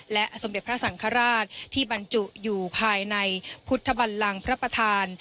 และสมเด็จพระสังฆราชที่บรรจุอยู่ภายในพุทธบันลังพระประธาน